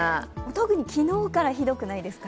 特に昨日からひどくないですか？